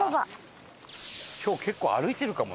今日結構歩いてるかもな。